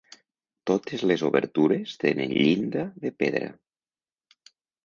Totes les obertures tenen llinda de pedra.